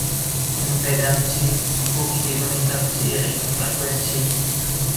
Impedansi choke meningkat seiring frekuensi.